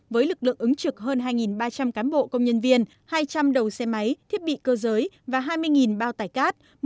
với lực lượng ứng trực hơn hai ba trăm linh cán bộ công nhân viên hai trăm linh đầu xe máy thiết bị cơ giới và hai mươi bao tải cát